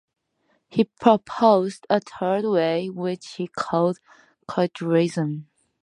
He proposed a third way, which he called "culturalism".